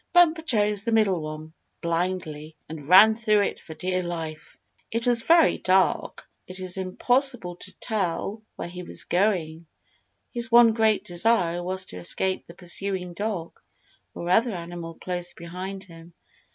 Bumper chose the middle One blindly, and ran through it for dear life. It was very dark, and it was impossible for him to tell where he was going. His one great desire was to escape the pursuing dog or other animal close behind him.